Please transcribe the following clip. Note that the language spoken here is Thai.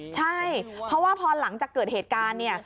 ใช่เพราะว่าพอหลังจากเกิดเหตุการณ์เนี่ย